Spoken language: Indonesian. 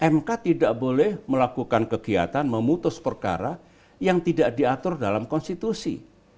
mk tidak boleh melakukan kegiatan memutus perkara yang tidak diatur dalam konstitusi